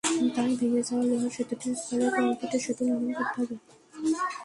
তাই ভেঙে যাওয়া লোহার সেতুটির স্থলে কংক্রিটের সেতু নির্মাণ করতে হবে।